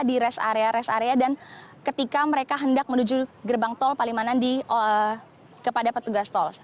dan ketika mereka hendak menuju gerbang tol palimanan kepada petugas tol